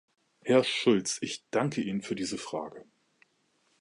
Herr Schulz, ich danke Ihnen für diese Frage.